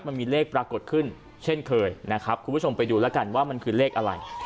มันมีเลขปรากฏขึ้นเช่นเคยนะครับคุณผู้ชมไปดูแล้วกันว่ามันคือเลขอะไร